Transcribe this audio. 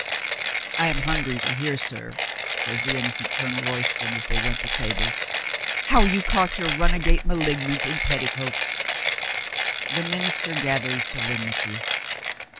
"I am hungry to hear, sir," says the innocent Colonel Royston, as they went to table, "how you caught your runagate malignant in petticoats." The minister gathered solemnity.